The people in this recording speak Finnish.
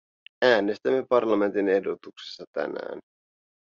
Äänestämme parlamentin ehdotuksesta tänään.